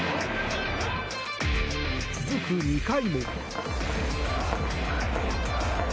続く２回も。